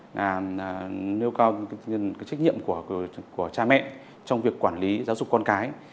nêu cao trách nhiệm của cha mẹ trong việc quản lý giáo dục con cái